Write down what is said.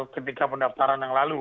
ketika pendaftaran yang lalu